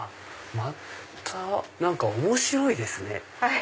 何か面白いですね。